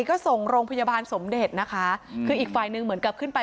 ก็ส่งโรงพยาบาลสมเด็จนะคะคืออีกฝ่ายหนึ่งเหมือนกับขึ้นไป